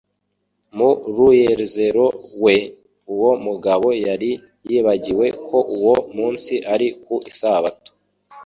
Mu muruezero we, uwo mugabo yari yibagiwe ko uwo munsi ari ku isabato;